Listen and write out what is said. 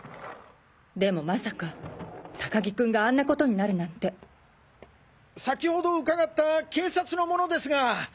でもまさか高木君があんなことになるなんて先ほど伺った警察の者ですが。